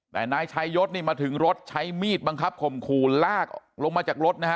แต่นายชายศนี่มาถึงรถใช้มีดบังคับข่มขู่ลากลงมาจากรถนะฮะ